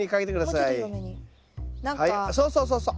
はいそうそうそうそう。